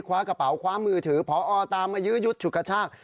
คว้ากระเป๋าคว้ามือถือพอตามมายื้อยุดฉุดกระชาก